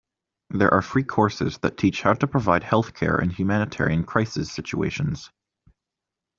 There are free courses that teach how to provide healthcare in humanitarian crises situations.